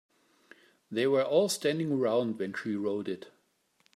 They were all standing around when she wrote it.